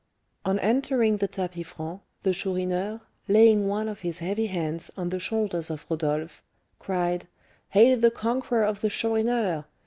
On entering the tapis franc, the Chourineur, laying one of his heavy hands on the shoulders of Rodolph, cried, "Hail the conqueror of the Chourineur!